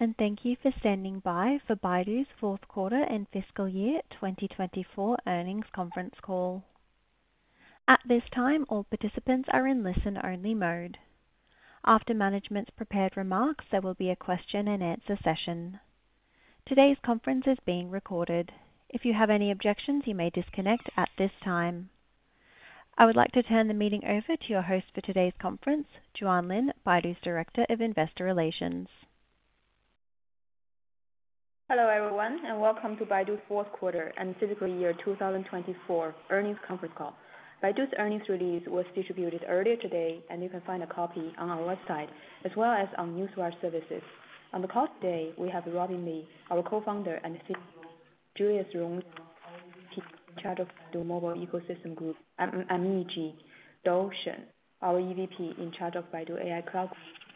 Hello, and thank you for standing by for Baidu's fourth quarter and Fiscal year 2024 Earnings Conference Call. At this time, all participants are in listen-only mode. After management's prepared remarks, there will be a question-and-answer session. Today's conference is being recorded. If you have any objections, you may disconnect at this time. I would like to turn the meeting over to your host for today's conference, Juan Lin, Baidu's Director of Investor Relations. Hello, everyone, and welcome to Baidu's fourth quarter and Fiscal year 2024 Earnings Conference Call. Baidu's earnings release was distributed earlier today, and you can find a copy on our website as well as on Newswire services. On the call today, we have Robin Li, our co-founder and CEO, Julius Rong, Chief Executive of the Mobile Ecosystem Group, MEG, Dou Shen, our EVP in charge of Baidu AI Cloud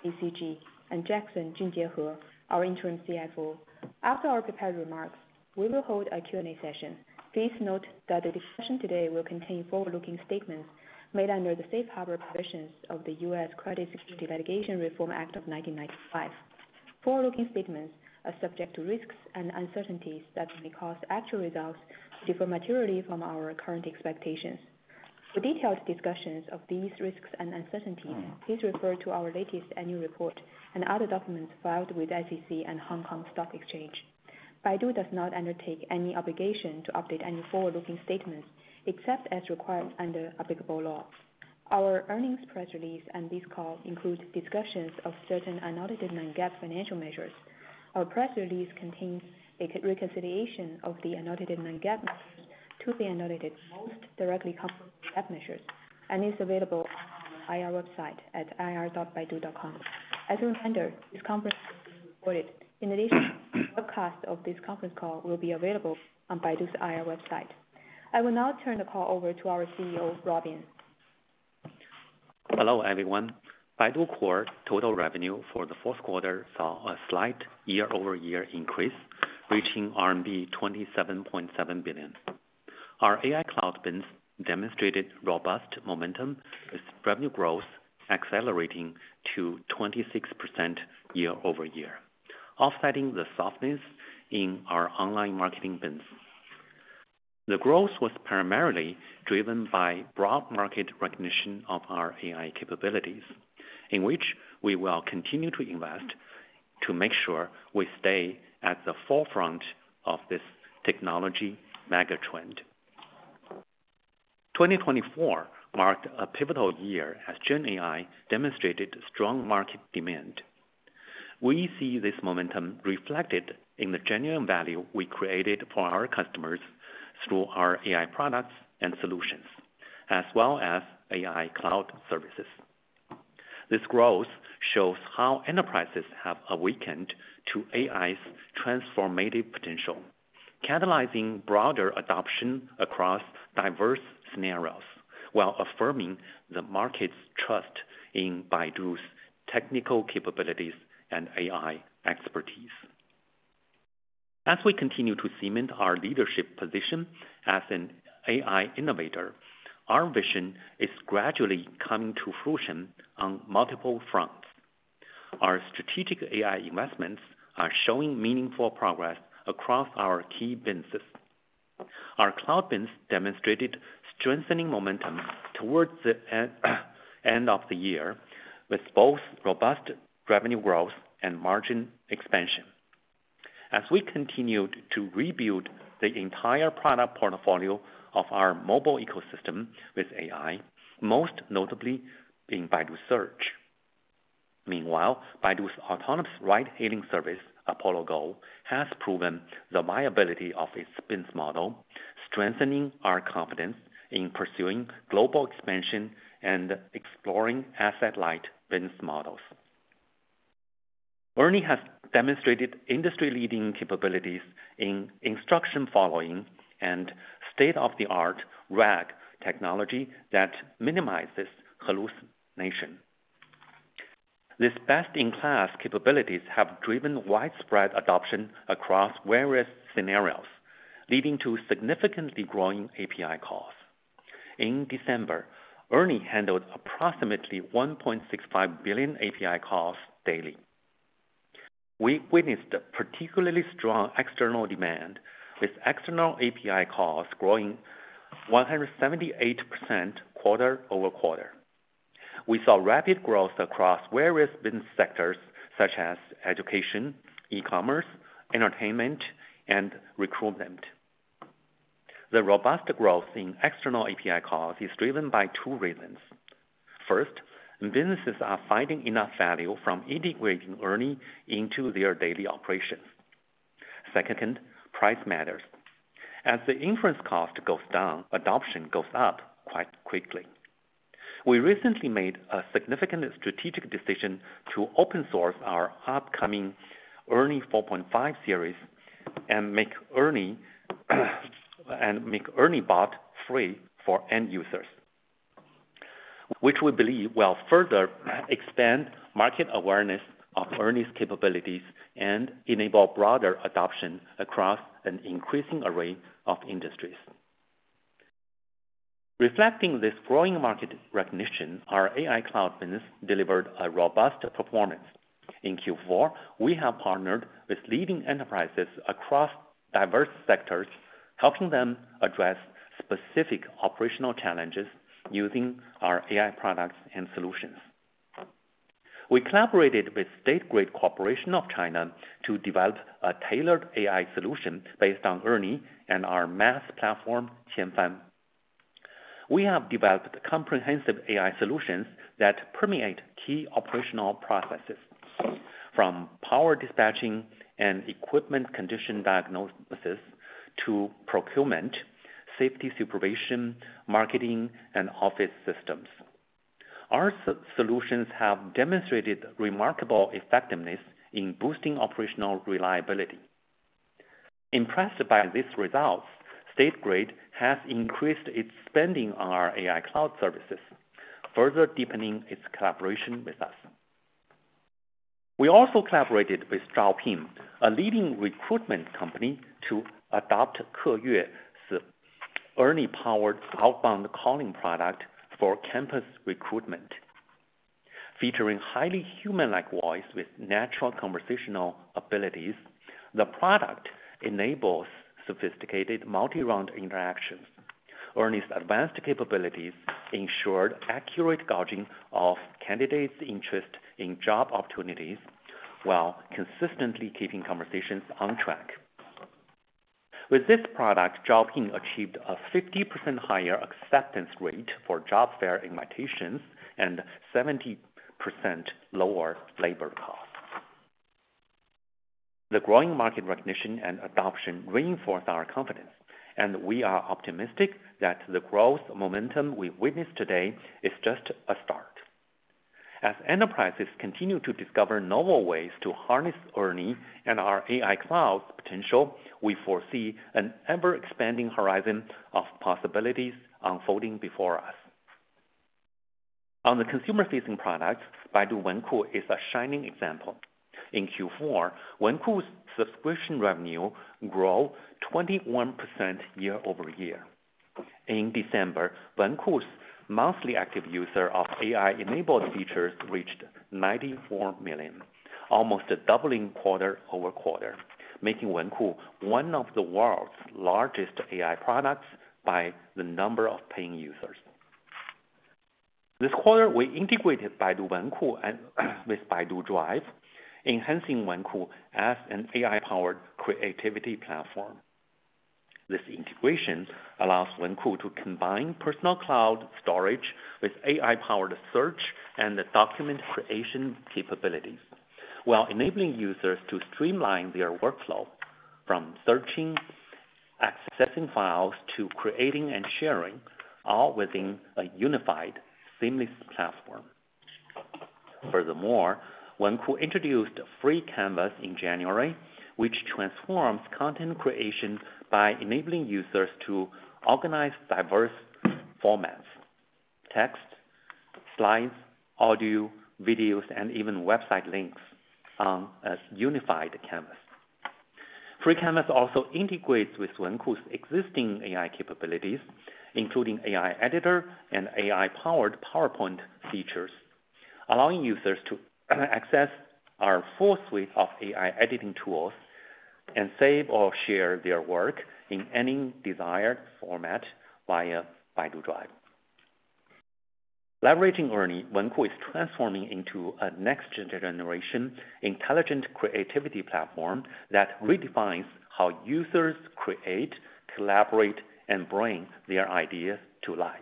Group, ACG, and Junjie He, our Interim CFO. After our prepared remarks, we will hold a Q&A session. Please note that the discussion today will contain forward-looking statements made under the safe harbor provisions of the U.S. Private Securities Litigation Reform Act of 1995. Forward-looking statements are subject to risks and uncertainties that may cause actual results to differ materially from our current expectations. For detailed discussions of these risks and uncertainties, please refer to our latest annual report and other documents filed with the SEC and Hong Kong Stock Exchange. Baidu does not undertake any obligation to update any forward-looking statements except as required under applicable law. Our earnings press release and this call include discussions of certain non-GAAP financial measures. Our press release contains a reconciliation of the non-GAAP measures to the most directly comparable GAAP measures and is available on our IR website at ir.baidu.com. As a reminder, this conference call is recorded. In addition, the broadcast of this conference call will be available on Baidu's IR website. I will now turn the call over to our CEO, Robin. Hello, everyone. Baidu Core's total revenue for the fourth quarter saw a slight year-over-year increase, reaching RMB 27.7 billion. Our AI Cloud business demonstrated robust momentum as revenue growth accelerated to 26% year-over-year, offsetting the softness in our online marketing business. The growth was primarily driven by broad market recognition of our AI capabilities, in which we will continue to invest to make sure we stay at the forefront of this technology megatrend. 2024 marked a pivotal year as GenAI demonstrated strong market demand. We see this momentum reflected in the genuine value we created for our customers through our AI products and solutions, as well as AI Cloud services. This growth shows how enterprises have awakened to AI's transformative potential, catalyzing broader adoption across diverse scenarios while affirming the market's trust in Baidu's technical capabilities and AI expertise. As we continue to cement our leadership position as an AI innovator, our vision is gradually coming to fruition on multiple fronts. Our strategic AI investments are showing meaningful progress across our key business. Our Cloud business demonstrated strengthening momentum towards the end of the year, with both robust revenue growth and margin expansion. As we continue to rebuild the entire product portfolio of our mobile ecosystem with AI, most notably in Baidu Search. Meanwhile, Baidu's autonomous ride-hailing service, Apollo Go, has proven the viability of its business model, strengthening our confidence in pursuing global expansion and exploring asset-light business models. ERNIE has demonstrated industry-leading capabilities in instruction following and state-of-the-art RAG technology that minimizes hallucination. These best-in-class capabilities have driven widespread adoption across various scenarios, leading to significantly growing API calls. In December, ERNIE handled approximately 1.65 billion API calls daily. We witnessed particularly strong external demand, with external API calls growing 178% quarter over quarter. We saw rapid growth across various business sectors such as education, e-commerce, entertainment, and recruitment. The robust growth in external API calls is driven by two reasons. First, businesses are finding enough value from integrating ERNIE into their daily operations. Second, price matters. As the inference cost goes down, adoption goes up quite quickly. We recently made a significant strategic decision to open source our upcoming ERNIE 4.5 series and make ERNIE Bot free for end users, which we believe will further expand market awareness of ERNIE's capabilities and enable broader adoption across an increasing array of industries. Reflecting this growing market recognition, our AI Cloud business delivered a robust performance. In Q4, we have partnered with leading enterprises across diverse sectors, helping them address specific operational challenges using our AI products and solutions. We collaborated with State Grid Corporation of China to develop a tailored AI solution based on ERNIE and our MaaS platform, Qianfan. We have developed comprehensive AI solutions that permeate key operational processes, from power dispatching and equipment condition diagnosis to procurement, safety supervision, marketing, and office systems. Our solutions have demonstrated remarkable effectiveness in boosting operational reliability. Impressed by these results, State Grid has increased its spending on our AI Cloud services, further deepening its collaboration with us. We also collaborated with Zhaopin, a leading recruitment company, to adopt Keyue's ERNIE-powered outbound calling product for campus recruitment. Featuring highly human-like voice with natural conversational abilities, the product enables sophisticated multi-round interactions. ERNIE's advanced capabilities ensured accurate gauging of candidates' interest in job opportunities while consistently keeping conversations on track. With this product, Zhaopin achieved a 50% higher acceptance rate for job fair invitations and 70% lower labor costs. The growing market recognition and adoption reinforce our confidence, and we are optimistic that the growth momentum we witnessed today is just a start. As enterprises continue to discover novel ways to harness ERNIE and our AI Cloud's potential, we foresee an ever-expanding horizon of possibilities unfolding before us. On the consumer-facing products, Baidu Wenku is a shining example. In Q4, Wenku's subscription revenue grew 21% year-over-year. In December, Wenku's monthly active user of AI-enabled features reached 94 million, almost doubling quarter over quarter, making Wenku one of the world's largest AI products by the number of paying users. This quarter, we integrated Baidu Wenku with Baidu Drive, enhancing Wenku as an AI-powered creativity platform. This integration allows Wenku to combine personal Cloud storage with AI-powered search and document creation capabilities, while enabling users to streamline their workflow from searching, accessing files, to creating and sharing, all within a unified, seamless platform. Furthermore, Wenku introduced Free Canvas in January, which transforms content creation by enabling users to organize diverse formats: text, slides, audio, videos, and even website links on a unified canvas. Free Canvas also integrates with Wenku's existing AI capabilities, including AI Editor and AI-powered PowerPoint features, allowing users to access our full suite of AI editing tools and save or share their work in any desired format via Baidu Drive. Leveraging ERNIE, Wenku is transforming into a next-generation intelligent creativity platform that redefines how users create, collaborate, and bring their ideas to life.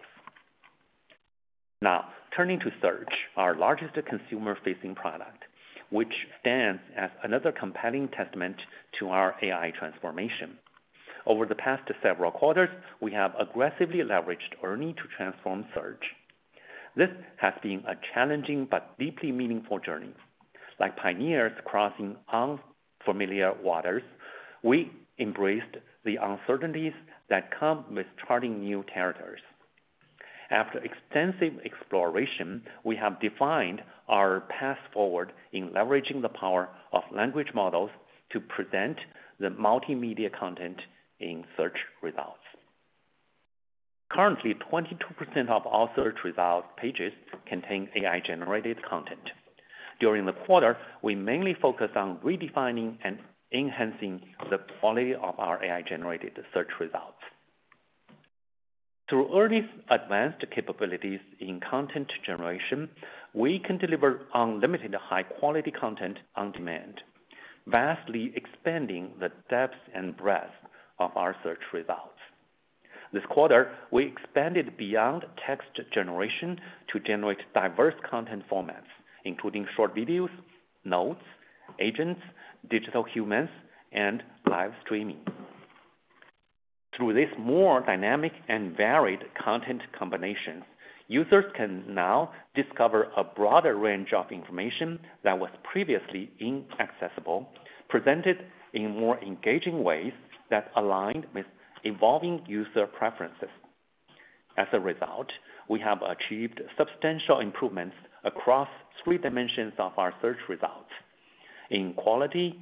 Now, turning to Search, our largest consumer-facing product, which stands as another compelling testament to our AI transformation. Over the past several quarters, we have aggressively leveraged ERNIE to transform Search. This has been a challenging but deeply meaningful journey. Like pioneers crossing unfamiliar waters, we embraced the uncertainties that come with charting new territories. After extensive exploration, we have defined our path forward in leveraging the power of language models to present the multimedia content in search results. Currently, 22% of all search results pages contain AI-generated content. During the quarter, we mainly focused on redefining and enhancing the quality of our AI-generated search results. Through ERNIE's advanced capabilities in content generation, we can deliver unlimited high-quality content on demand, vastly expanding the depth and breadth of our search results. This quarter, we expanded beyond text generation to generate diverse content formats, including short videos, notes, agents, digital humans, and live streaming. Through these more dynamic and varied content combinations, users can now discover a broader range of information that was previously inaccessible, presented in more engaging ways that align with evolving user preferences. As a result, we have achieved substantial improvements across three dimensions of our search results: in quality,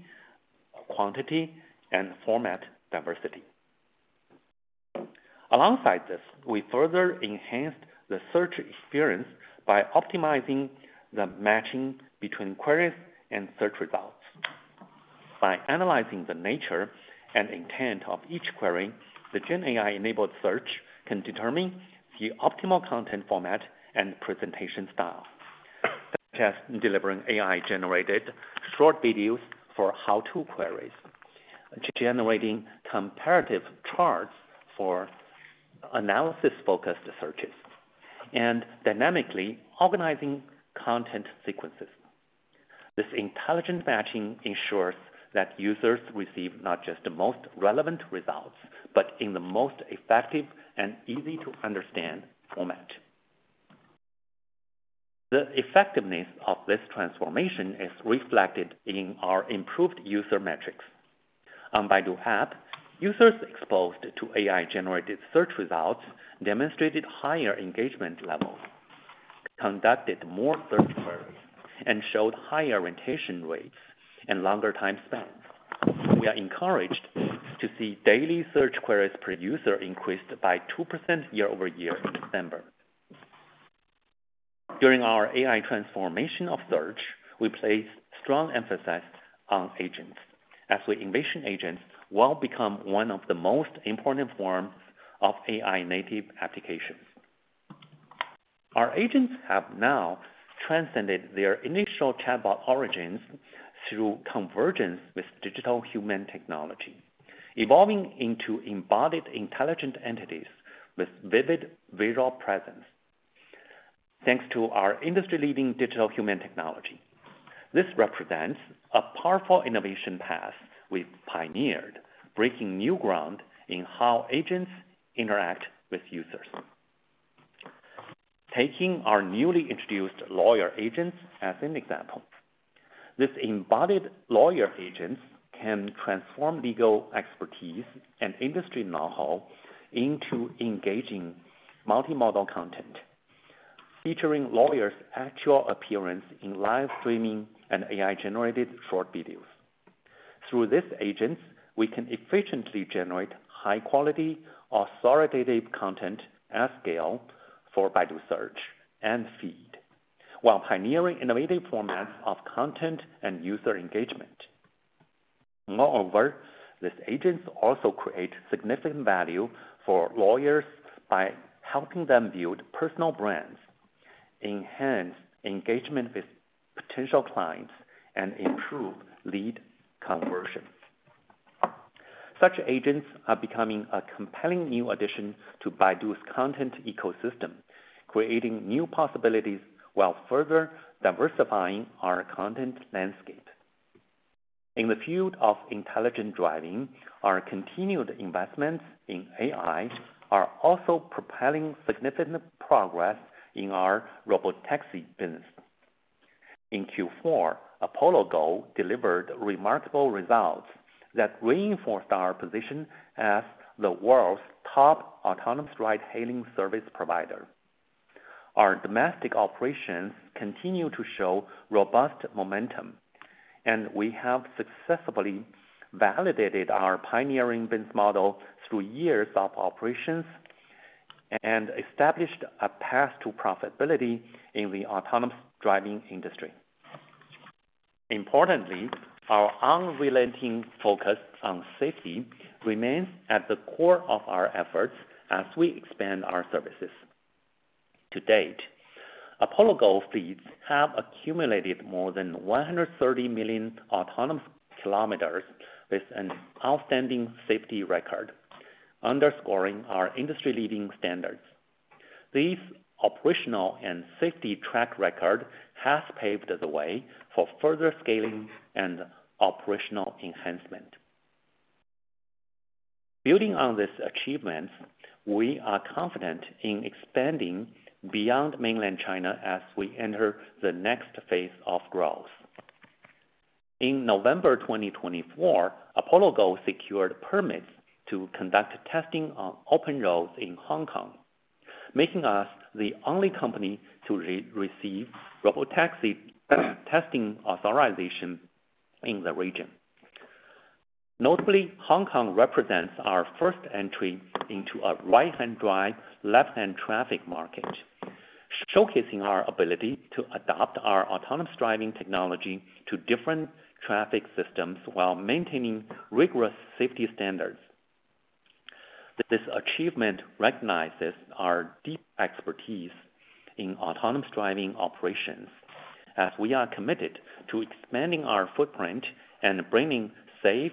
quantity, and format diversity. Alongside this, we further enhanced the search experience by optimizing the matching between queries and search results. By analyzing the nature and intent of each query, the GenAI-enabled search can determine the optimal content format and presentation style, such as delivering AI-generated short videos for how-to queries, generating comparative charts for analysis-focused searches, and dynamically organizing content sequences. This intelligent matching ensures that users receive not just the most relevant results, but in the most effective and easy-to-understand format. The effectiveness of this transformation is reflected in our improved user metrics. On Baidu App, users exposed to AI-generated search results demonstrated higher engagement levels, conducted more search queries, and showed higher retention rates and longer time spans. We are encouraged to see daily search queries per user increased by 2% year-over-year in December. During our AI transformation of Search, we place strong emphasis on agents, as we envision agents will become one of the most important forms of AI-native applications. Our agents have now transcended their initial chatbot origins through convergence with digital human technology, evolving into embodied intelligent entities with vivid visual presence. Thanks to our industry-leading digital human technology, this represents a powerful innovation path we've pioneered, breaking new ground in how agents interact with users. Taking our newly introduced lawyer agents as an example, these embodied lawyer agents can transform legal expertise and industry know-how into engaging multimodal content, featuring lawyers' actual appearance in live streaming and AI-generated short videos. Through these agents, we can efficiently generate high-quality, authoritative content at scale for Baidu Search and Feed, while pioneering innovative formats of content and user engagement. Moreover, these agents also create significant value for lawyers by helping them build personal brands, enhance engagement with potential clients, and improve lead conversion. Such agents are becoming a compelling new addition to Baidu's content ecosystem, creating new possibilities while further diversifying our content landscape. In the field of intelligent driving, our continued investments in AI are also propelling significant progress in our robotaxi business. In Q4, Apollo Go delivered remarkable results that reinforced our position as the world's top autonomous ride-hailing service provider. Our domestic operations continue to show robust momentum, and we have successfully validated our pioneering business model through years of operations and established a path to profitability in the autonomous driving industry. Importantly, our unrelenting focus on safety remains at the core of our efforts as we expand our services. To date, Apollo Go fleets have accumulated more than 130 million autonomous kilometers with an outstanding safety record, underscoring our industry-leading standards. This operational and safety track record has paved the way for further scaling and operational enhancement. Building on these achievements, we are confident in expanding beyond mainland China as we enter the next phase of growth. In November 2024, Apollo Go secured permits to conduct testing on open roads in Hong Kong, making us the only company to receive robotaxi testing authorization in the region. Notably, Hong Kong represents our first entry into a right-hand drive, left-hand traffic market, showcasing our ability to adopt our autonomous driving technology to different traffic systems while maintaining rigorous safety standards. This achievement recognizes our deep expertise in autonomous driving operations, as we are committed to expanding our footprint and bringing safe,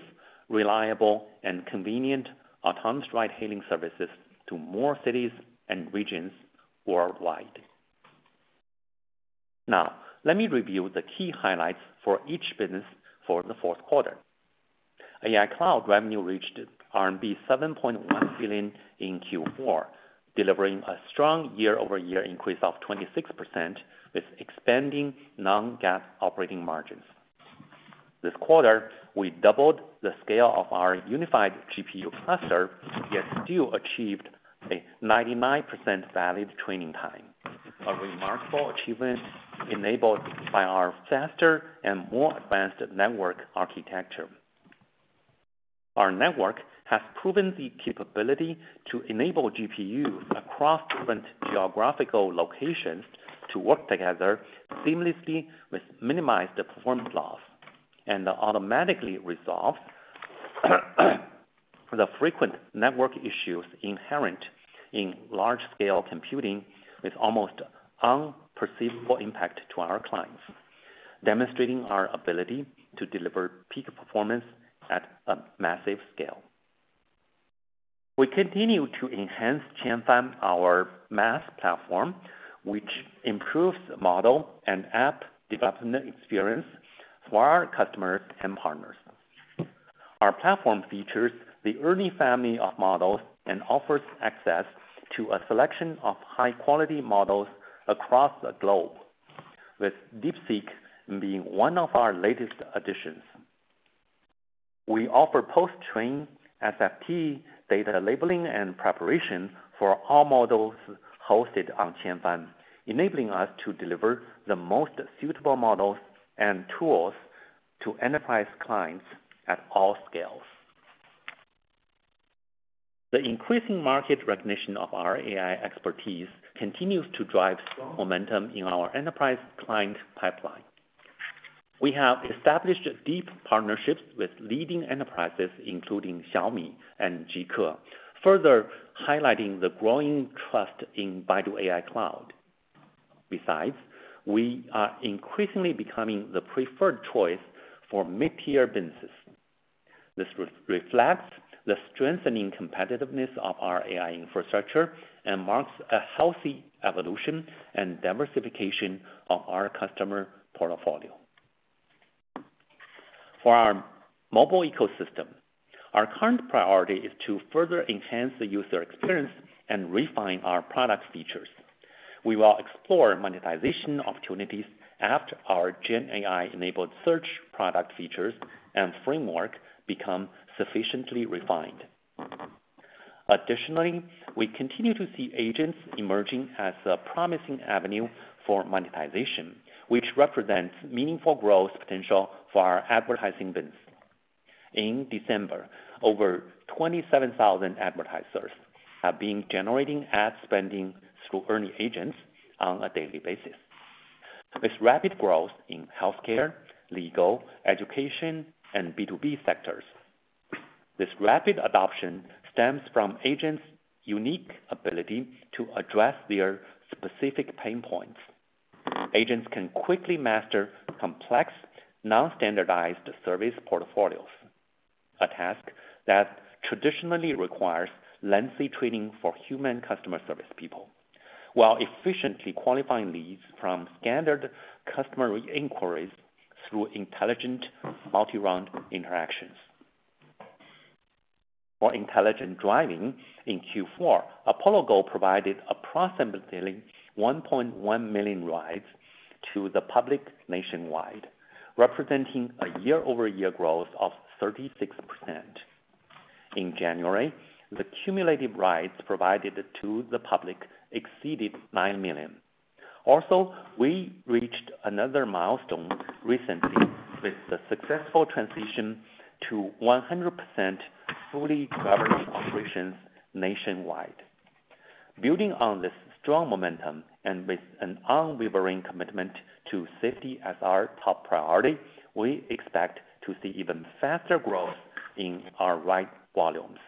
reliable, and convenient autonomous ride-hailing services to more cities and regions worldwide. Now, let me review the key highlights for each business for the fourth quarter. AI Cloud revenue reached RMB 7.1 billion in Q4, delivering a strong year-over-year increase of 26% with expanding non-GAAP operating margins. This quarter, we doubled the scale of our unified GPU cluster, yet still achieved a 99% valid training time, a remarkable achievement enabled by our faster and more advanced network architecture. Our network has proven the capability to enable GPUs across different geographical locations to work together seamlessly with minimized performance loss and automatically resolve the frequent network issues inherent in large-scale computing with almost unperceivable impact to our clients, demonstrating our ability to deliver peak performance at a massive scale. We continue to enhance Qianfan, our MaaS platform, which improves model and app development experience for our customers and partners. Our platform features the ERNIE family of models and offers access to a selection of high-quality models across the globe, with DeepSeek being one of our latest additions. We offer post-trained SFT data labeling and preparation for all models hosted on Qianfan, enabling us to deliver the most suitable models and tools to enterprise clients at all scales. The increasing market recognition of our AI expertise continues to drive strong momentum in our enterprise client pipeline. We have established deep partnerships with leading enterprises, including Xiaomi and ZEEKR, further highlighting the growing trust in Baidu AI Cloud. Besides, we are increasingly becoming the preferred choice for mid-tier businesses. This reflects the strengthening competitiveness of our AI infrastructure and marks a healthy evolution and diversification of our customer portfolio. For our mobile ecosystem, our current priority is to further enhance the user experience and refine our product features. We will explore monetization opportunities after our GenAI-enabled search product features and framework become sufficiently refined. Additionally, we continue to see agents emerging as a promising avenue for monetization, which represents meaningful growth potential for our advertising business. In December, over 27,000 advertisers have been generating ad spending through ERNIE agents on a daily basis. With rapid growth in healthcare, legal, education, and B2B sectors, this rapid adoption stems from agents' unique ability to address their specific pain points. Agents can quickly master complex, non-standardized service portfolios, a task that traditionally requires lengthy training for human customer service people, while efficiently qualifying leads from scanned customer inquiries through intelligent multi-round interactions. For intelligent driving, in Q4, Apollo Go provided approximately 1.1 million rides to the public nationwide, representing a year-over-year growth of 36%. In January, the cumulative rides provided to the public exceeded nine million. Also, we reached another milestone recently with the successful transition to 100% fully covered operations nationwide. Building on this strong momentum and with an unwavering commitment to safety as our top priority, we expect to see even faster growth in our ride volumes,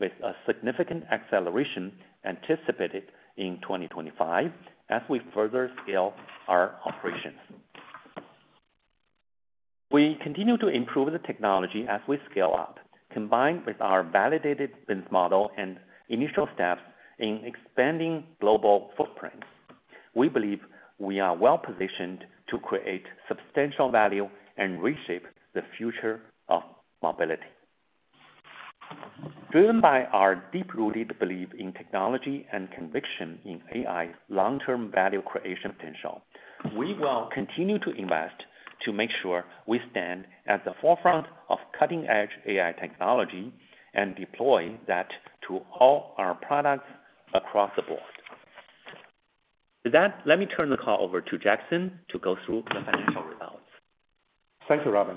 with a significant acceleration anticipated in 2025 as we further scale our operations. We continue to improve the technology as we scale up, combined with our validated business model and initial steps in expanding global footprints. We believe we are well-positioned to create substantial value and reshape the future of mobility. Driven by our deep-rooted belief in technology and conviction in AI's long-term value creation potential, we will continue to invest to make sure we stand at the forefront of cutting-edge AI technology and deploy that to all our products across the board. With that, let me turn the call over to Jackson to go through the financial results. Thank you, Robin.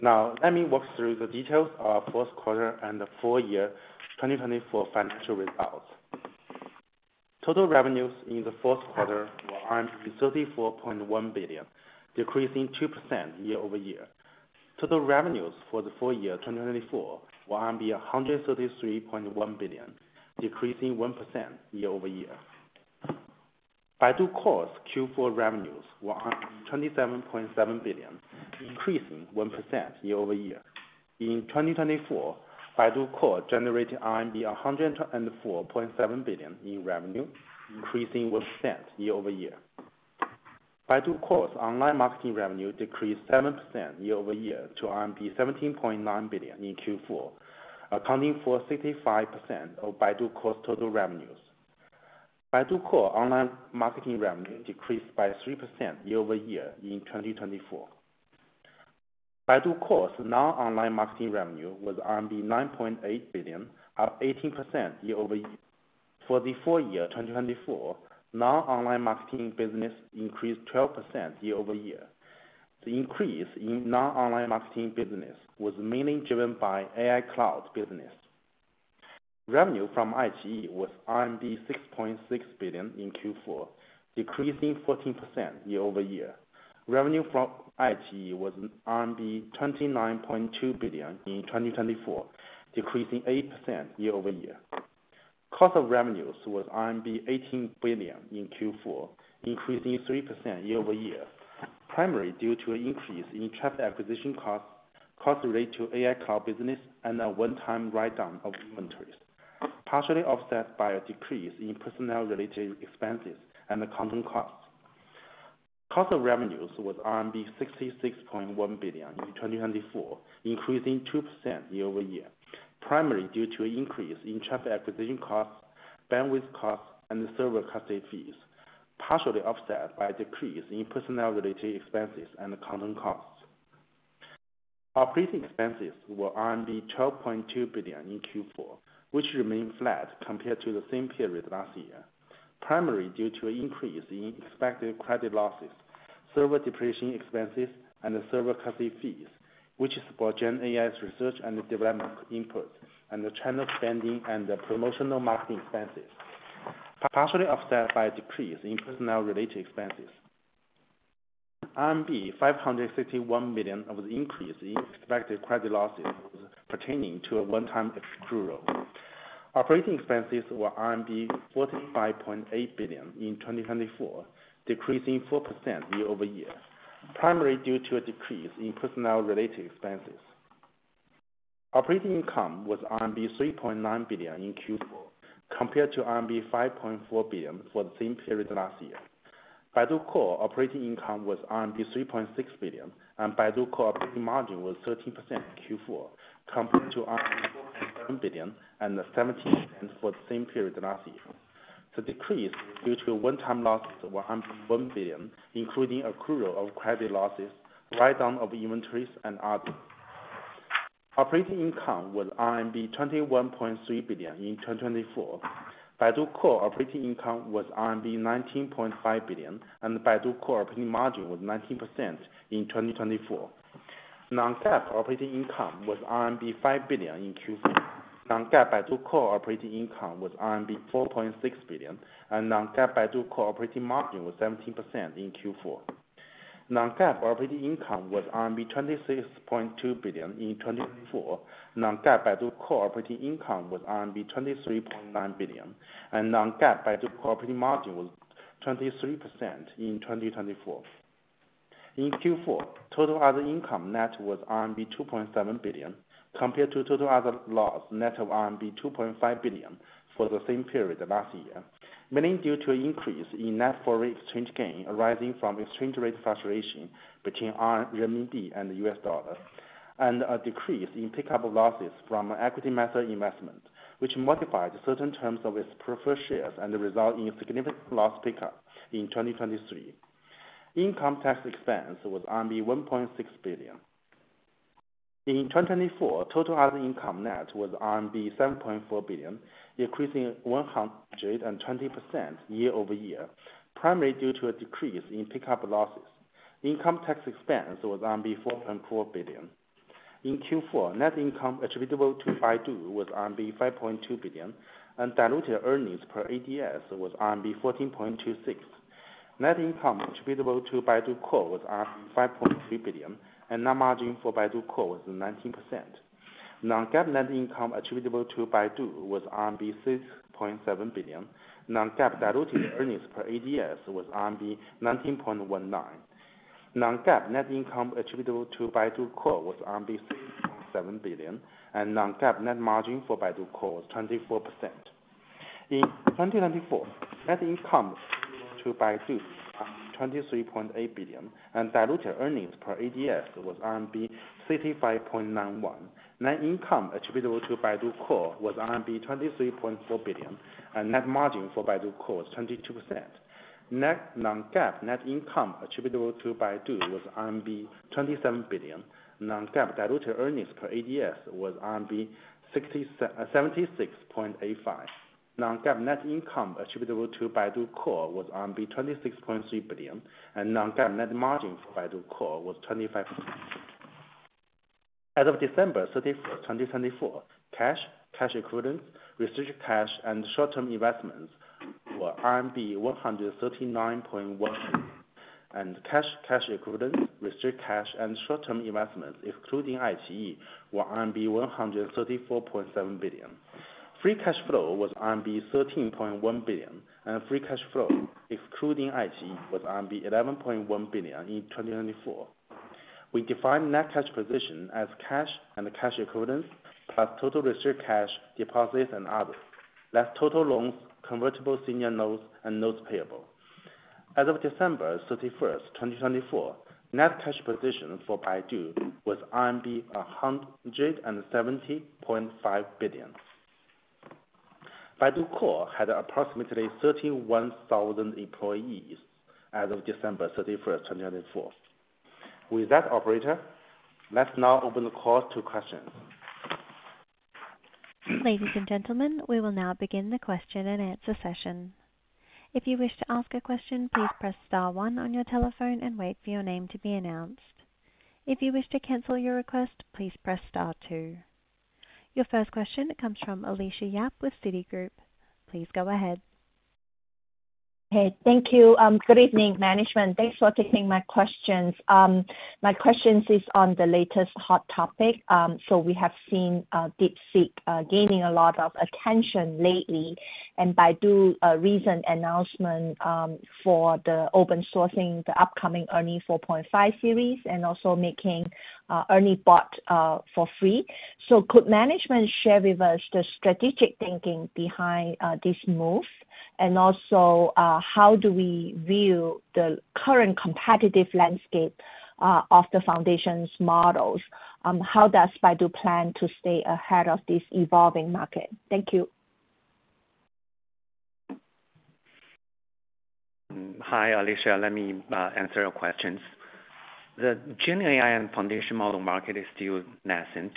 Now, let me walk through the details of our fourth quarter and the full year 2024 financial results. Total revenues in the fourth quarter were 34.1 billion, decreasing 2% year-over-year. Total revenues for the full year 2024 were 133.1 billion, decreasing 1% year-over-year. Baidu Core's Q4 revenues were 27.7 billion, increasing 1% year-over-year. In 2024, Baidu Core generated RMB 104.7 billion in revenue, increasing 1% year-over-year. Baidu Core's online marketing revenue decreased 7% year-over-year to RMB 17.9 billion in Q4, accounting for 65% of Baidu Core's total revenues. Baidu Core's online marketing revenue decreased by 3% year-over-year in 2024. Baidu Core's non-online marketing revenue was RMB 9.8 billion, up 18% year-over-year. For the full year 2024, non-online marketing business increased 12% year-over-year. The increase in non-online marketing business was mainly driven by AI Cloud business. Revenue from iQIYI was RMB 6.6 billion in Q4, decreasing 14% year-over-year. Revenue from iQIYI was RMB 29.2 billion in 2024, decreasing 8% year-over-year. Cost of revenues was RMB 18 billion in Q4, increasing 3% year-over-year, primarily due to an increase in traffic acquisition costs related to AI Cloud business and a one-time write-down of inventories, partially offset by a decrease in personnel-related expenses and accounting costs. Cost of revenues was RMB 66.1 billion in 2024, increasing 2% year-over-year, primarily due to an increase in traffic acquisition costs, bandwidth costs, and server costs and fees, partially offset by a decrease in personnel-related expenses and accounting costs. Operating expenses were 12.2 billion in Q4, which remained flat compared to the same period last year, primarily due to an increase in expected credit losses, server depreciation expenses, and server costs and fees, which support GenAI's research and development input, and the channel spending and the promotional marketing expenses, partially offset by a decrease in personnel-related expenses. RMB 561 million was an increase in expected credit losses pertaining to a one-time extraordinary. Operating expenses were RMB 45.8 billion in 2024, decreasing 4% year-over-year, primarily due to a decrease in personnel-related expenses. Operating income was RMB 3.9 billion in Q4 compared to RMB 5.4 billion for the same period last year. Baidu Core operating income was RMB 3.6 billion, and Baidu Core operating margin was 13% Q4 compared to RMB 4.7 billion and 17% for the same period last year. The decrease due to one-time losses was 1 billion, including accrual of credit losses, write-down of inventories, and others. Operating income was RMB 21.3 billion in 2024. Baidu Core operating income was RMB 19.5 billion, and Baidu Core operating margin was 19% in 2024. Non-GAAP operating income was RMB 5 billion in Q4. Non-GAAP Baidu Core operating income was RMB 4.6 billion, and Non-GAAP Baidu Core operating margin was 17% in Q4. Non-GAAP operating income was RMB 26.2 billion in 2024. Non-GAAP Baidu Core operating income was RMB 23.9 billion, and Non-GAAP Baidu Core operating margin was 23% in 2024. In Q4, total other income net was RMB 2.7 billion compared to total other loss net of RMB 2.5 billion for the same period last year, mainly due to an increase in net foreign exchange gain arising from exchange rate fluctuation between RMB and U.S. dollars and a decrease in pickup of losses from equity method investment, which modified certain terms of its preferred shares and resulted in significant loss pickup in 2023. Income tax expense was RMB 1.6 billion. In 2024, total other income net was RMB 7.4 billion, decreasing 120% year-over-year, primarily due to a decrease in pickup of losses. Income tax expense was RMB 4.4 billion. In Q4, net income attributable to Baidu was RMB 5.2 billion, and diluted earnings per ADS was RMB 14.26. Net income attributable to Baidu Core was 5.3 billion, and net margin for Baidu Core was 19%. Non-GAAP net income attributable to Baidu was RMB 6.7 billion. Non-GAAP diluted earnings per ADS was RMB 19.19. Non-GAAP net income attributable to Baidu Core was RMB 6.7 billion, and Non-GAAP net margin for Baidu Core was 24%. In 2024, net income attributable to Baidu was 23.8 billion, and diluted earnings per ADS was RMB 65.91. Net income attributable to Baidu Core was RMB 23.4 billion, and net margin for Baidu Core was 22%. Non-GAAP net income attributable to Baidu was RMB 27 billion. Non-GAAP diluted earnings per ADS was RMB 76.85. Non-GAAP net income attributable to Baidu Core was RMB 26.3 billion, and Non-GAAP net margin for Baidu Core was 25%. As of December 31, 2024, cash, cash equivalents, restricted cash, and short-term investments were RMB 139.1 billion, and cash, cash equivalents, restricted cash, and short-term investments, excluding iQIYI, were RMB 134.7 billion. Free cash flow was RMB 13.1 billion, and free cash flow, excluding iQIYI, was RMB 11.1 billion in 2024. We define net cash position as cash and cash equivalents plus total reserve cash, deposits, and others, less total loans, convertible senior notes, and notes payable. As of December 31, 2024, net cash position for Baidu was RMB 170.5 billion. Baidu Core had approximately 31,000 employees as of December 31, 2024. With that, operator, let's now open the call to questions. Ladies and gentlemen, we will now begin the question and answer session. If you wish to ask a question, please press star one on your telephone and wait for your name to be announced. If you wish to cancel your request, please press star two. Your first question comes from Alicia Yap with Citigroup. Please go ahead. Hey, thank you. Good evening, management. Thanks for taking my questions. My question is on the latest hot topic. So we have seen DeepSeek gaining a lot of attention lately and Baidu's recent announcement for the open sourcing the upcoming ERNIE 4.5 series and also making ERNIE Bot for free. So could management share with us the strategic thinking behind this move and also how do we view the current competitive landscape of the foundation models? How does Baidu plan to stay ahead of this evolving market? Thank you. Hi, Alicia. Let me answer your questions. The GenAI and foundation model market is still nascent,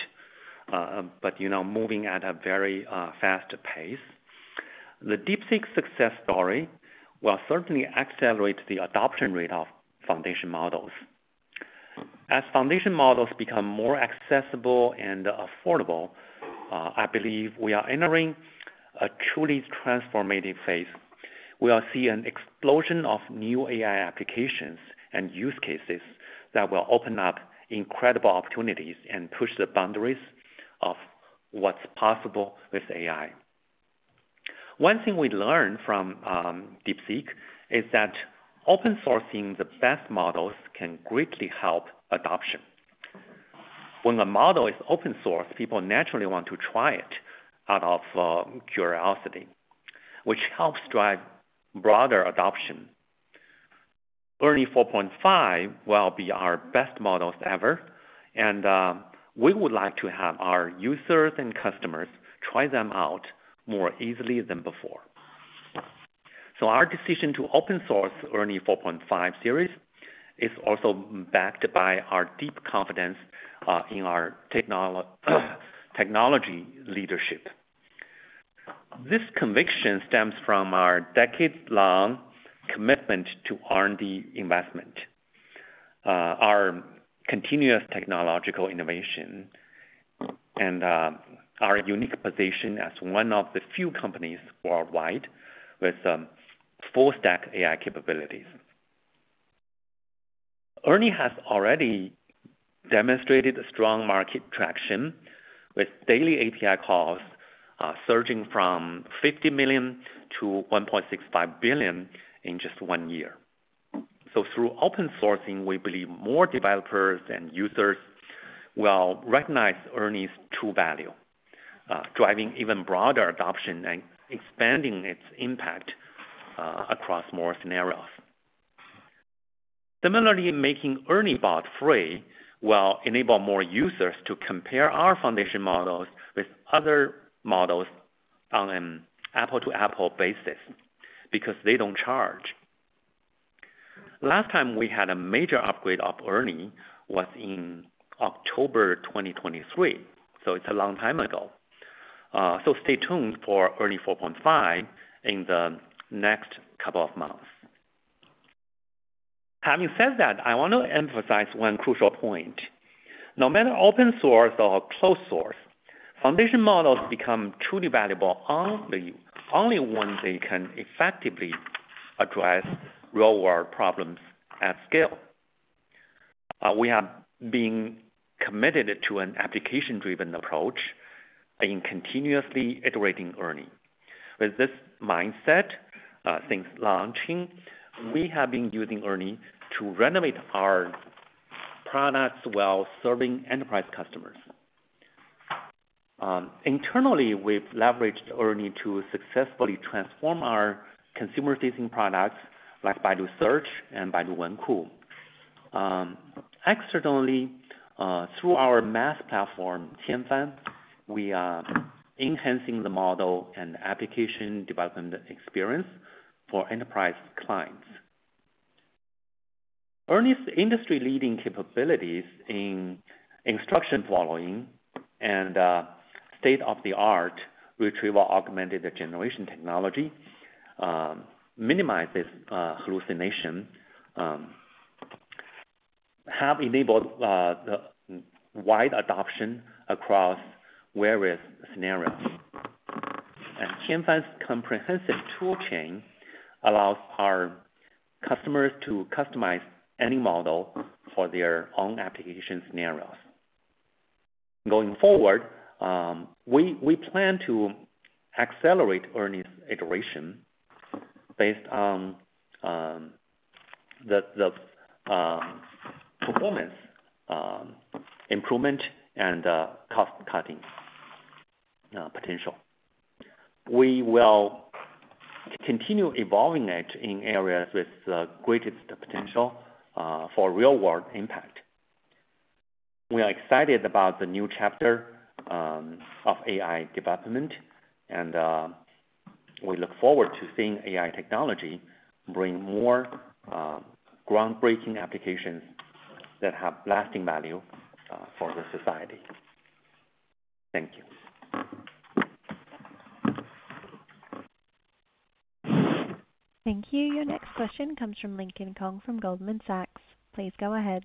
but moving at a very fast pace. The DeepSeek success story will certainly accelerate the adoption rate of foundation models. As foundation models become more accessible and affordable, I believe we are entering a truly transformative phase. We will see an explosion of new AI applications and use cases that will open up incredible opportunities and push the boundaries of what's possible with AI. One thing we learned from DeepSeek is that open sourcing the best models can greatly help adoption. When a model is open source, people naturally want to try it out of curiosity, which helps drive broader adoption. ERNIE 4.5 will be our best models ever, and we would like to have our users and customers try them out more easily than before. So our decision to open source ERNIE 4.5 series is also backed by our deep confidence in our technology leadership. This conviction stems from our decades-long commitment to R&D investment, our continuous technological innovation, and our unique position as one of the few companies worldwide with full-stack AI capabilities. ERNIE has already demonstrated strong market traction with daily API calls surging from 50 million to 1.65 billion in just one year. So through open sourcing, we believe more developers and users will recognize ERNIE's true value, driving even broader adoption and expanding its impact across more scenarios. Similarly, making ERNIE Bot free will enable more users to compare our foundation models with other models on an apple-to-apple basis because they don't charge. Last time we had a major upgrade of ERNIE was in October 2023, so it's a long time ago. So stay tuned for ERNIE 4.5 in the next couple of months. Having said that, I want to emphasize one crucial point. No matter open source or closed source, foundation models become truly valuable only when they can effectively address real-world problems at scale. We have been committed to an application-driven approach in continuously iterating ERNIE. With this mindset, since launching, we have been using ERNIE to renovate our products while serving enterprise customers. Internally, we've leveraged ERNIE to successfully transform our consumer-facing products like Baidu Search and Baidu Wenku. Externally, through our MaaS platform, Qianfan, we are enhancing the model and application development experience for enterprise clients. ERNIE's industry-leading capabilities in instruction following and state-of-the-art retrieval augmented generation technology minimize this hallucination. [They] have enabled wide adoption across various scenarios. Qianfan's comprehensive toolchain allows our customers to customize any model for their own application scenarios. Going forward, we plan to accelerate ERNIE's iteration based on the performance improvement and cost-cutting potential. We will continue evolving it in areas with the greatest potential for real-world impact. We are excited about the new chapter of AI development, and we look forward to seeing AI technology bring more groundbreaking applications that have lasting value for the society. Thank you. Thank you. Your next question comes from Lincoln Kong from Goldman Sachs. Please go ahead.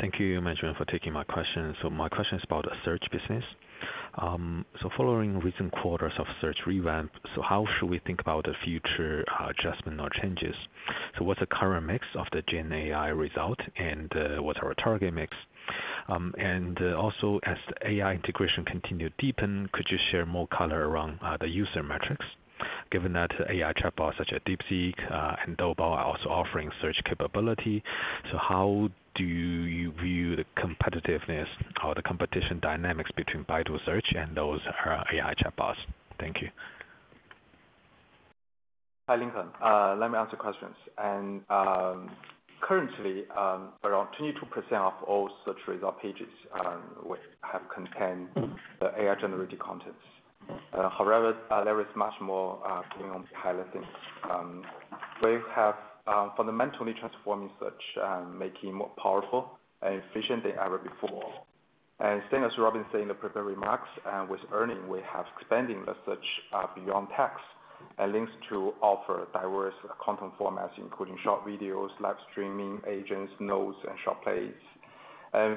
Thank you, management, for taking my question. So my question is about the search business. So following recent quarters of search revamp, so how should we think about the future adjustment or changes? So what's the current mix of the GenAI result, and what's our target mix? And also, as AI integration continues to deepen, could you share more color around the user metrics? Given that AI chatbots such as DeepSeek and Doubao are also offering search capability, so how do you view the competitiveness or the competition dynamics between Baidu Search and those AI chatbots? Thank you. Hi, Lincoln. Let me answer questions. And currently, around 22% of all search result pages have contained the AI-generated contents. However, there is much more going on behind the scenes. We have fundamentally transformed search, making it more powerful and efficient than ever before, and same as Robin said in the prepared remarks, with ERNIE, we have expanded the search beyond text and links to offer diverse content formats, including short videos, live streaming, agents, notes, and short plays.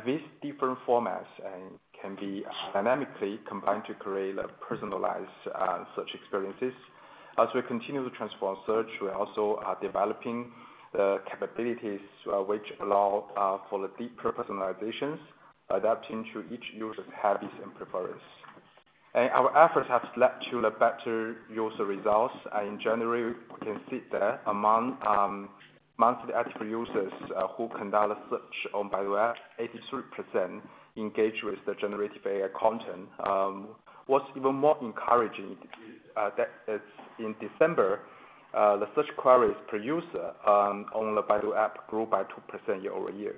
These different formats can be dynamically combined to create personalized search experiences. As we continue to transform search, we're also developing the capabilities which allow for the deeper personalizations, adapting to each user's habits and preferences, and our efforts have led to better user results. In January, we can see that among monthly active users who conduct the search on Baidu App, 83% engage with the generative AI content. What's even more encouraging is that in December, the search queries per user on the Baidu App grew by 2% year over year.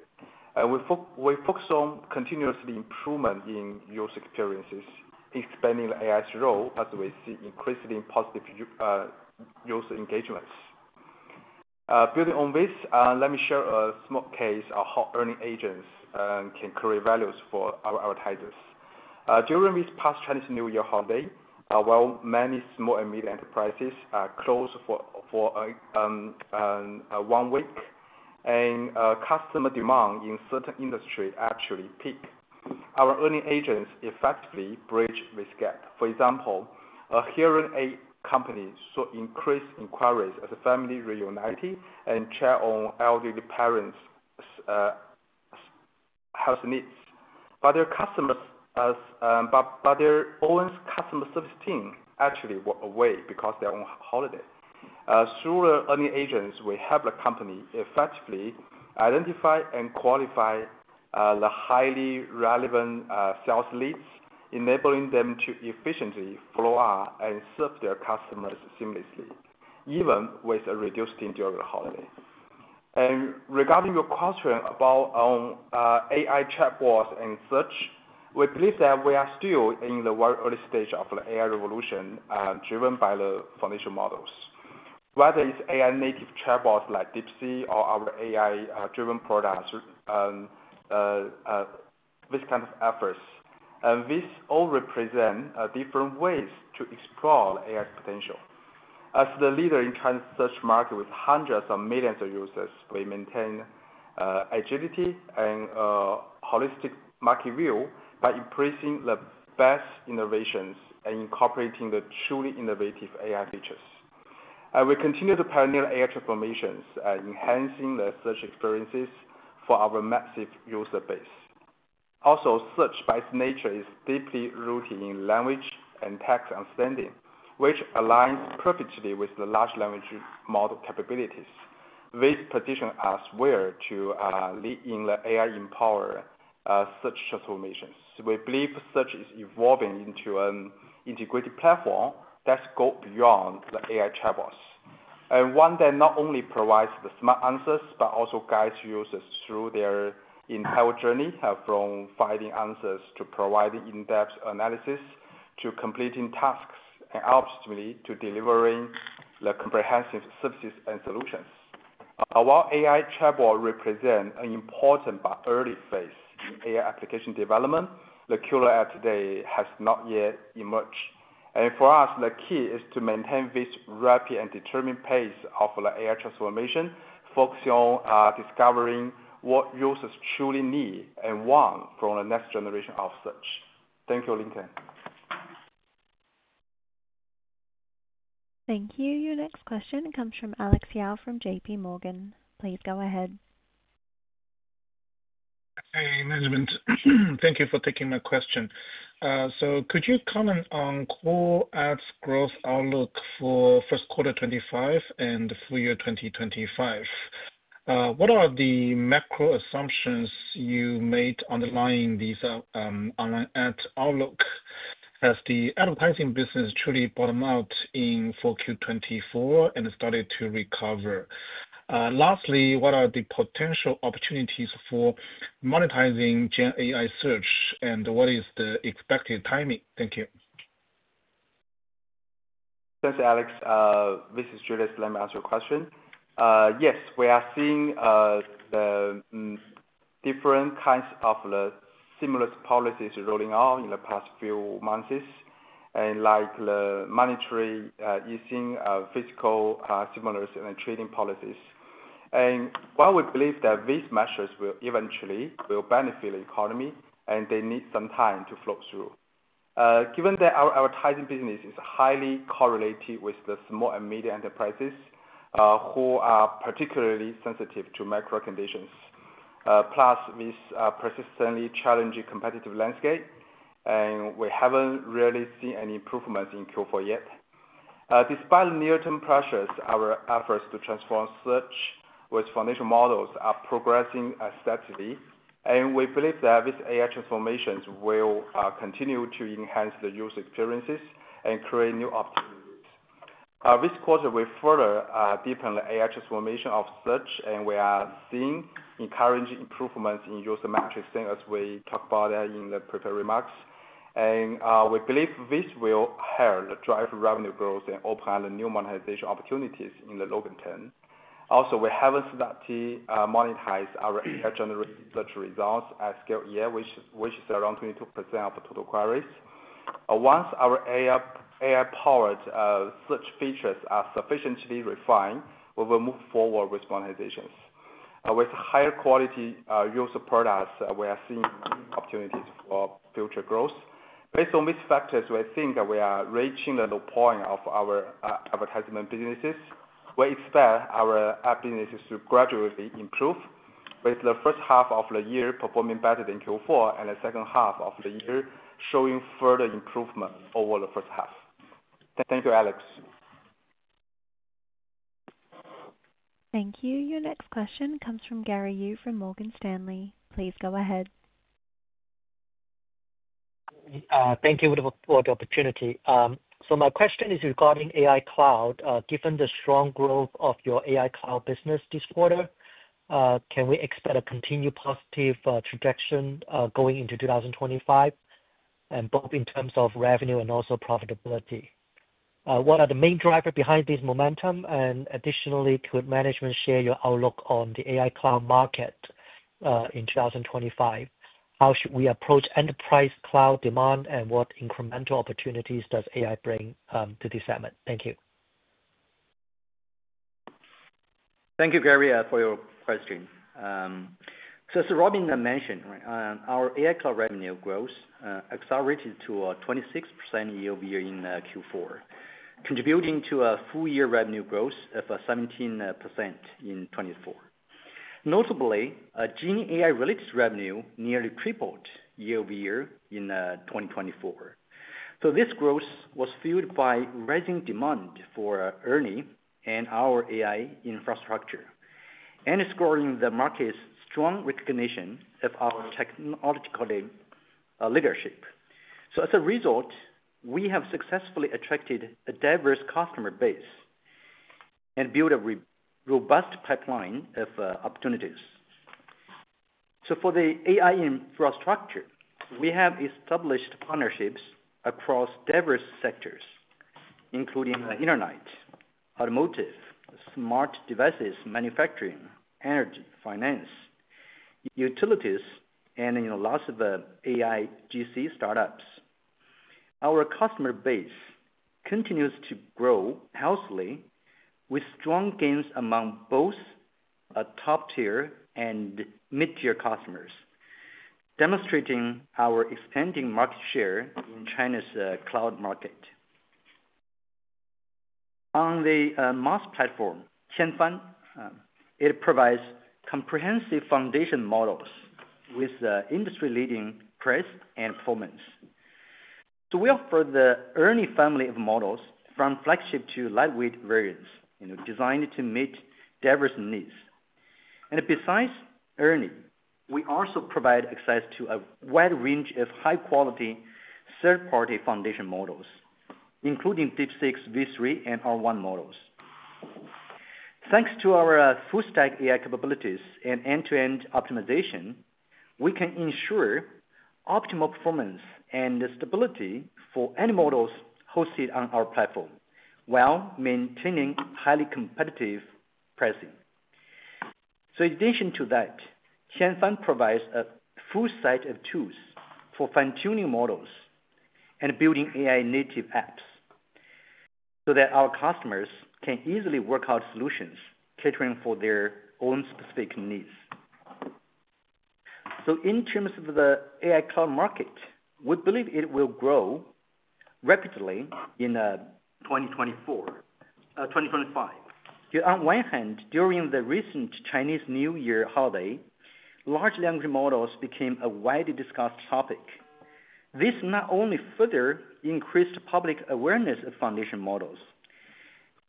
We focus on continuous improvement in user experiences, expanding the AI's role as we see increasingly positive user engagements. Building on this, let me share a small case of how ERNIE agents can create values for our advertisers. During this past Chinese New Year holiday, while many small and medium enterprises are closed for one week and customer demand in certain industries actually peaked, our ERNIE agents effectively bridged this gap. For example, a hearing aid company saw increased inquiries as a family reunited and checked on elderly parents' health needs. But their own customer service team actually went away because they were on holiday. Through ERNIE agents, we helped the company effectively identify and qualify the highly relevant sales leads, enabling them to efficiently follow up and serve their customers seamlessly, even with a reduced time during the holiday. Regarding your question about our AI chatbots and search, we believe that we are still in the very early stage of the AI revolution driven by the foundation models. Whether it's AI-native chatbots like DeepSeek or our AI-driven products, these kinds of efforts, these all represent different ways to explore the AI's potential. As the leader in China's search market with hundreds of millions of users, we maintain agility and a holistic market view by embracing the best innovations and incorporating the truly innovative AI features. We continue to pioneer AI transformations, enhancing the search experiences for our massive user base. Also, search by its nature is deeply rooted in language and text understanding, which aligns perfectly with the large language model capabilities. This positions us to lead in the AI-empowered search transformations. We believe search is evolving into an integrated platform that goes beyond the AI chatbots. And one that not only provides the smart answers but also guides users through their entire journey from finding answers to providing in-depth analysis to completing tasks and ultimately to delivering the comprehensive services and solutions. While AI chatbots represent an important but early phase in AI application development, the killer app today has not yet emerged. And for us, the key is to maintain this rapid and determined pace of the AI transformation, focusing on discovering what users truly need and want from the next generation of search. Thank you, Lincoln. Thank you. Your next question comes from Alex Yao from J.P. Morgan. Please go ahead. Hey, management. Thank you for taking my question. So could you comment on Core Ads Growth Outlook for Fiscal year 2025 and Fiscal year 2025? What are the macro assumptions you made underlying this online ad outlook? Has the advertising business truly bottomed out in Fiscal year 2024 and started to recover? Lastly, what are the potential opportunities for monetizing GenAI search, and what is the expected timing? Thank you. Thanks, Alex. This is Julius. Let me answer your question. Yes, we are seeing the different kinds of the stimulus policies rolling out in the past few months, like the monetary easing, Fiscal stimulus, and trading policies. And while we believe that these measures will eventually benefit the economy, they need some time to flow through. Given that our advertising business is highly correlated with the small and medium enterprises who are particularly sensitive to macro conditions, plus this persistently challenging competitive landscape, we haven't really seen any improvements in Q4 yet. Despite near-term pressures, our efforts to transform search with foundation models are progressing steadily, and we believe that these AI transformations will continue to enhance the user experiences and create new opportunities. This quarter, we further deepened the AI transformation of search, and we are seeing encouraging improvements in user metrics as we talked about in the prepared remarks, and we believe this will help drive revenue growth and open new monetization opportunities in the longer term. Also, we haven't started monetizing our AI-generated search results at scale yet, which is around 22% of the total queries. Once our AI-powered search features are sufficiently refined, we will move forward with monetizations. With higher quality user products, we are seeing opportunities for future growth. Based on these factors, we think we are reaching the point of our advertisement businesses. We expect our ad businesses to gradually improve, with the first half of the year performing better than Q4 and the second half of the year showing further improvement over the first half. Thank you, Alex. Thank you. Your next question comes from Gary Yu from Morgan Stanley. Please go ahead. Thank you for the opportunity. So my question is regarding AI Cloud. Given the strong growth of your AI Cloud business this quarter, can we expect a continued positive trajectory going into 2025, both in terms of revenue and also profitability? What are the main drivers behind this momentum? And additionally, could management share your outlook on the AI Cloud market in 2025? How should we approach enterprise Cloud demand, and what incremental opportunities does AI bring to this segment? Thank you. Thank you, Gary, for your question. As Robin mentioned, our AI Cloud revenue growth accelerated to a 26% year-over-year in Q4, contributing to a full-year revenue growth of 17% in 2024. Notably, ERNIE AI-related revenue nearly tripled year-over-year in 2024. This growth was fueled by rising demand for ERNIE and our AI infrastructure, and it's growing the market's strong recognition of our technological leadership. As a result, we have successfully attracted a diverse customer base and built a robust pipeline of opportunities. For the AI infrastructure, we have established partnerships across diverse sectors, including the internet, automotive, smart devices manufacturing, energy, finance, utilities, and lots of AI ACG startups. Our customer base continues to grow healthily, with strong gains among both top-tier and mid-tier customers, demonstrating our expanding market share in China's Cloud market. On the MaaS platform, Qianfan, it provides comprehensive foundation models with industry-leading price and performance. We offer the ERNIE family of models from flagship to lightweight variants designed to meet diverse needs. And besides ERNIE, we also provide access to a wide range of high-quality third-party foundation models, including DeepSeek's V3 and R1 models. Thanks to our full-stack AI capabilities and end-to-end optimization, we can ensure optimal performance and stability for any models hosted on our platform while maintaining highly competitive pricing. In addition to that, Qianfan provides a full set of tools for fine-tuning models and building AI-native apps so that our customers can easily work out solutions catering for their own specific needs. In terms of the AI Cloud market, we believe it will grow rapidly in 2024, 2025. On one hand, during the recent Chinese New Year holiday, large language models became a widely discussed topic. This not only further increased public awareness of foundation models,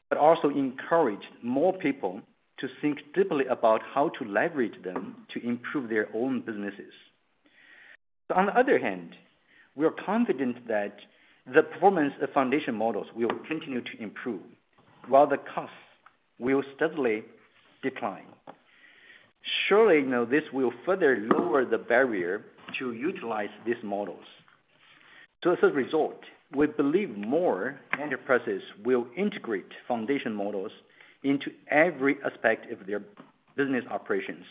but also encouraged more people to think deeply about how to leverage them to improve their own businesses. On the other hand, we are confident that the performance of foundation models will continue to improve while the costs will steadily decline. Surely, this will further lower the barrier to utilize these models. So as a result, we believe more enterprises will integrate foundation models into every aspect of their business operations,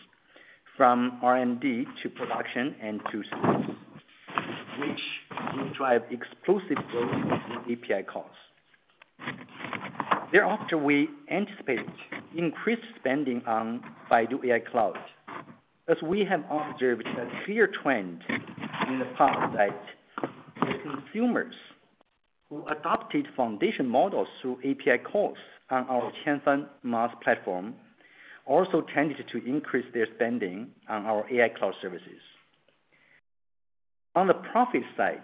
from R&D to production and to services, which will drive explosive growth in API costs. Thereafter, we anticipate increased spending on Baidu AI Cloud. As we have observed a clear trend in the past that consumers who adopted foundation models through API calls on our Qianfan MaaS platform also tended to increase their spending on our AI Cloud services. On the profit side,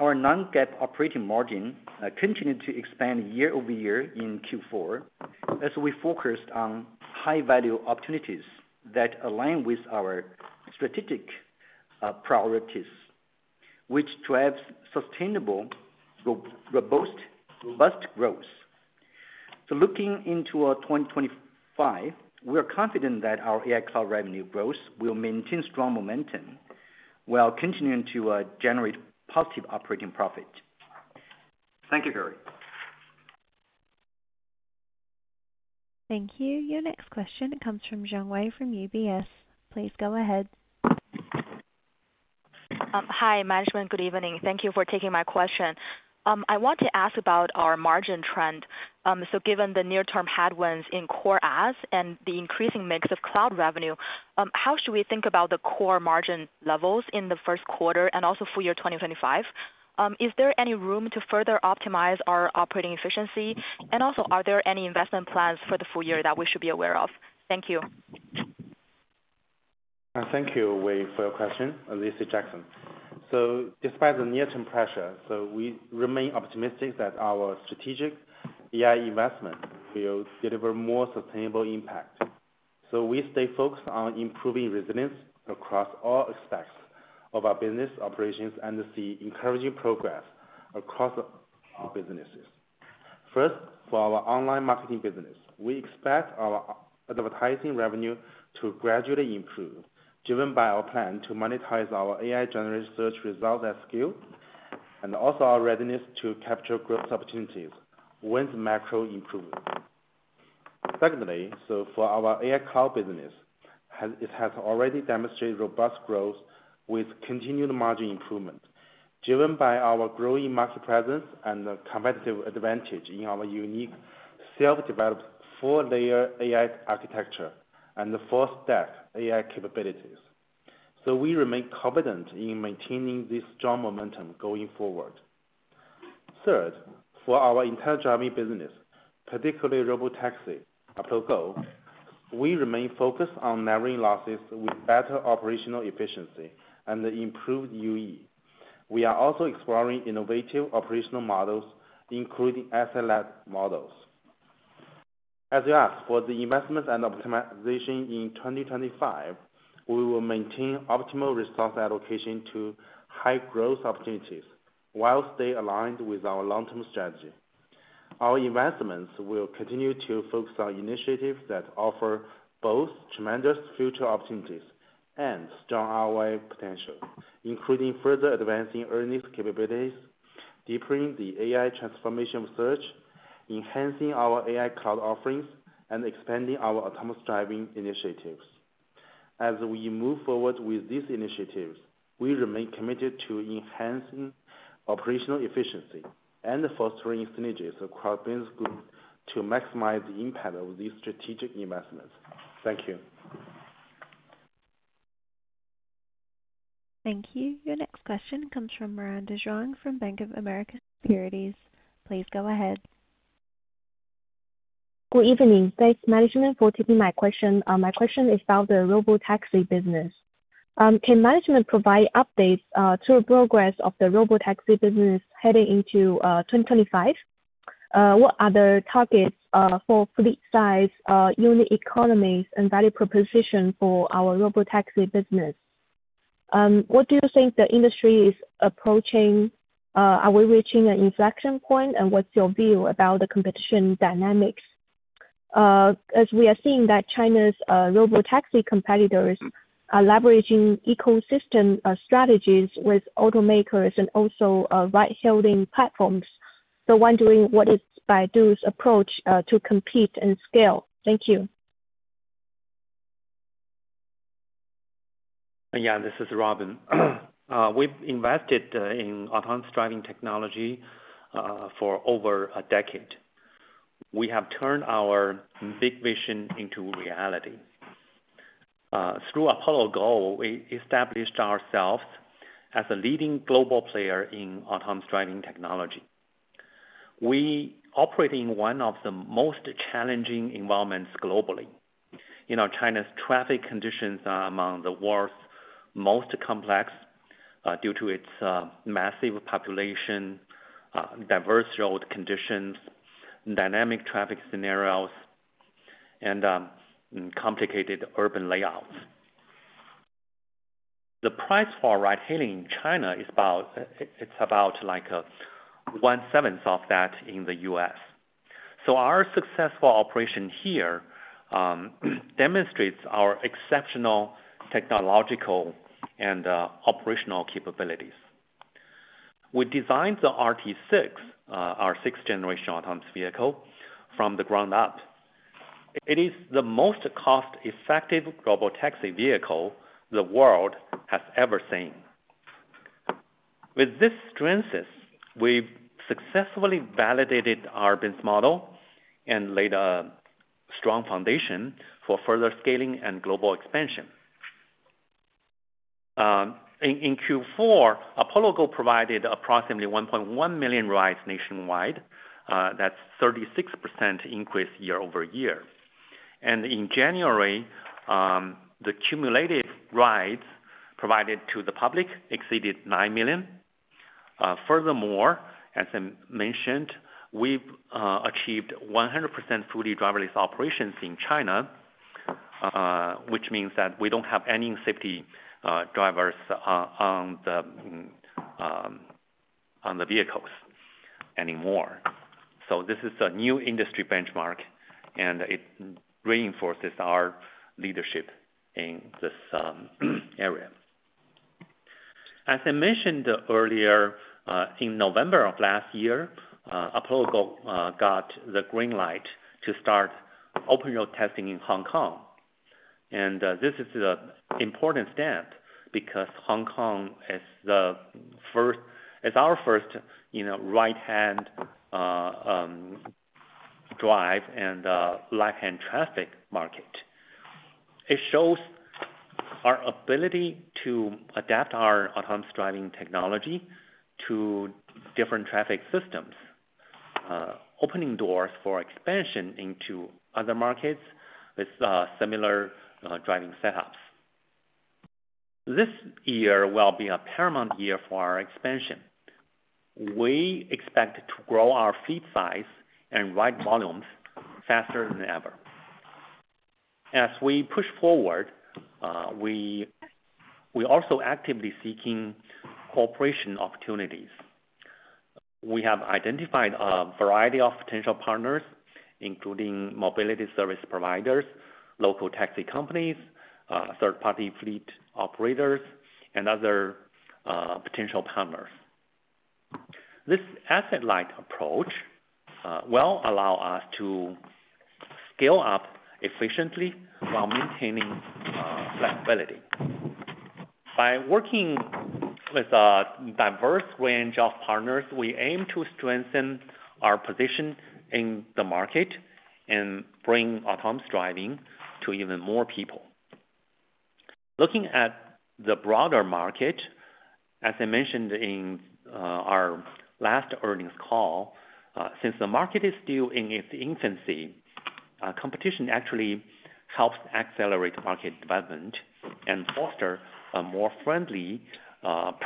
our non-GAAP operating margin continued to expand year-over-year in Q4 as we focused on high-value opportunities that align with our strategic priorities, which drives sustainable, robust growth. So looking into 2025, we are confident that our AI Cloud revenue growth will maintain strong momentum while continuing to generate positive operating profit. Thank you, Gary. Thank you. Your next question comes from Wei Xiong from UBS. Please go ahead. Hi, management. Good evening. Thank you for taking my question. I want to ask about our margin trend. So given the near-term headwinds in core ads and the increasing mix of Cloud revenue, how should we think about the core margin levels in the Fiscal year 2025? Is there any room to further optimize our operating efficiency? And also, are there any investment plans for the Fiscal year that we should be aware of? Thank you. Thank you, Wei, for your question, this is Jackson. So despite the near-term pressure, we remain optimistic that our strategic AI investment will deliver more sustainable impact. So we stay focused on improving resilience across all aspects of our business operations and see encouraging progress across our businesses. First, for our online marketing business, we expect our advertising revenue to gradually improve, driven by our plan to monetize our AI-generated search results at scale and also our readiness to capture growth opportunities once macro improves. Secondly, so for our AI Cloud business, it has already demonstrated robust growth with continued margin improvement, driven by our growing market presence and competitive advantage in our unique self-developed four-layer AI architecture and the four-stack AI capabilities. So we remain confident in maintaining this strong momentum going forward. Third, for our intelligent driving business, particularly robotaxi Apollo Go, we remain focused on narrowing losses with better operational efficiency and improved UE. We are also exploring innovative operational models, including SLS models. As you asked for the investments and optimization in 2025, we will maintain optimal resource allocation to high growth opportunities while they align with our long-term strategy. Our investments will continue to focus on initiatives that offer both tremendous future opportunities and strong ROI potential, including further advancing ERNIE's capabilities, deepening the AI transformation research, enhancing our AI Cloud offerings, and expanding our autonomous driving initiatives. As we move forward with these initiatives, we remain committed to enhancing operational efficiency and fostering synergies across business groups to maximize the impact of these strategic investments. Thank you. Thank you. Your next question comes from Miranda Zhuang from Bank of America Securities. Please go ahead. Good evening. Thanks, management, for taking my question. My question is about the robotaxi business. Can management provide updates to the progress of the robotaxi business heading into 2025? What are the targets for fleet size, unit economies, and value proposition for our robotaxi business? What do you think the industry is approaching? Are we reaching an inflection point? And what's your view about the competition dynamics? As we are seeing that China's robotaxi competitors are leveraging ecosystem strategies with automakers and also ride-hailing platforms, so wondering what is Baidu's approach to compete and scale? Thank you. Yeah, this is Robin. We've invested in autonomous driving technology for over a decade. We have turned our big vision into reality. Through Apollo Go, we established ourselves as a leading global player in autonomous driving technology. We operate in one of the most challenging environments globally. China's traffic conditions are among the world's most complex due to its massive population, diverse road conditions, dynamic traffic scenarios, and complicated urban layouts. The price for ride-hailing in China is about one-seventh of that in the US, so our successful operation here demonstrates our exceptional technological and operational capabilities. We designed the RT6, our sixth-generation autonomous vehicle, from the ground up. It is the most cost-effective robotaxi vehicle the world has ever seen. With these strengths, we've successfully validated our business model and laid a strong foundation for further scaling and global expansion. In Q4, Apollo Go provided approximately 1.1 million rides nationwide. That's a 36% increase year-over-year, and in January, the cumulative rides provided to the public exceeded nine million. Furthermore, as I mentioned, we've achieved 100% fully driverless operations in China, which means that we don't have any safety drivers on the vehicles anymore. This is a new industry benchmark, and it reinforces our leadership in this area. As I mentioned earlier, in November of last year, Apollo Go got the green light to start open road testing in Hong Kong. This is an important step because Hong Kong is our first right-hand drive and left-hand traffic market. It shows our ability to adapt our autonomous driving technology to different traffic systems, opening doors for expansion into other markets with similar driving setups. This year will be a paramount year for our expansion. We expect to grow our fleet size and ride volumes faster than ever. As we push forward, we are also actively seeking cooperation opportunities. We have identified a variety of potential partners, including mobility service providers, local taxi companies, third-party fleet operators, and other potential partners. This asset-light approach will allow us to scale up efficiently while maintaining flexibility. By working with a diverse range of partners, we aim to strengthen our position in the market and bring autonomous driving to even more people. Looking at the broader market, as I mentioned in our last earnings call, since the market is still in its infancy, competition actually helps accelerate market development and foster a more friendly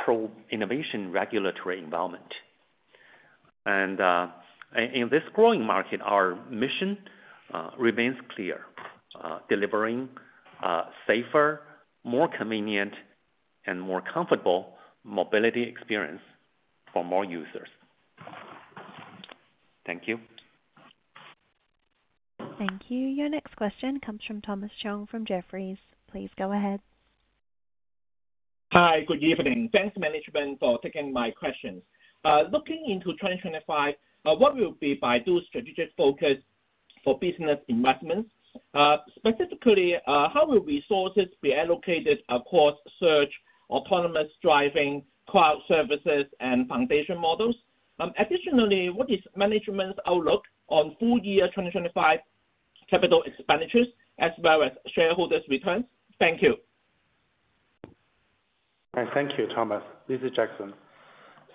pro-innovation regulatory environment, and in this growing market, our mission remains clear: delivering safer, more convenient, and more comfortable mobility experience for more users. Thank you. Thank you. Your next question comes from Thomas Chong from Jefferies. Please go ahead. Hi, good evening. Thanks, management, for taking my question. Looking into 2025, what will be Baidu's strategic focus for business investments? Specifically, how will resources be allocated across search, autonomous driving, Cloud services, and foundation models? Additionally, what is management's outlook on Fiscal year 2025 capital expenditures as well as shareholders' returns? Thank you. Thank you, Thomas. This is Jackson.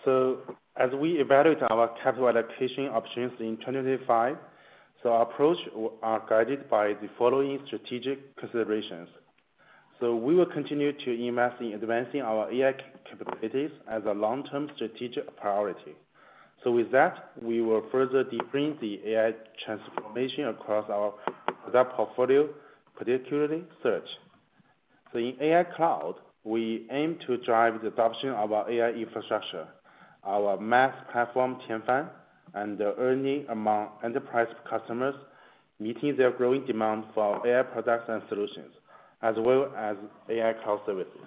So as we evaluate our capital allocation options in 2025, our approach is guided by the following strategic considerations. So we will continue to invest in advancing our AI capabilities as a long-term strategic priority. So with that, we will further deepen the AI transformation across our product portfolio, particularly search. So in AI Cloud, we aim to drive the adoption of our AI infrastructure, our MaaS platform, Qianfan, and ERNIE among enterprise customers, meeting their growing demand for AI products and solutions, as well as AI Cloud services.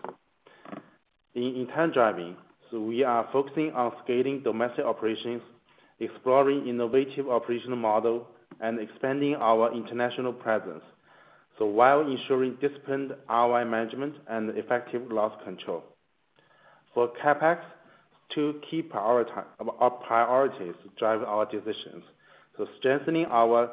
In intelligent driving, we are focusing on scaling domestic operations, exploring innovative operational models, and expanding our international presence while ensuring disciplined ROI management and effective loss control. For CapEx, two key priorities drive our decisions: strengthening our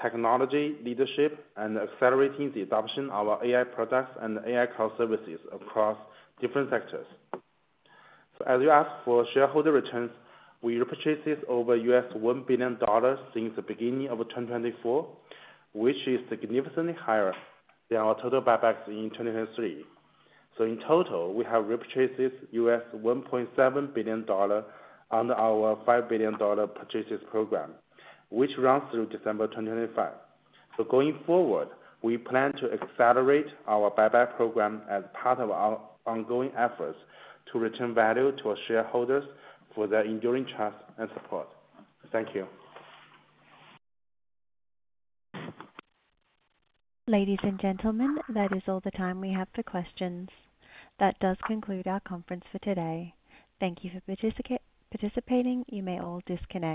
technology leadership and accelerating the adoption of our AI products and AI Cloud services across different sectors. So as you asked for shareholder returns, we repurchased over $1 billion since the beginning of 2024, which is significantly higher than our total buybacks in 2023. So in total, we have repurchased $1.7 billion under our $5 billion purchases program, which runs through December 2025. So going forward, we plan to accelerate our buyback program as part of our ongoing efforts to return value to our shareholders for their enduring trust and support. Thank you. Ladies and gentlemen, that is all the time we have for questions. That does conclude our conference for today. Thank you for participating. You may all disconnect.